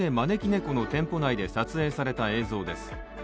この店舗内で撮影された映像です。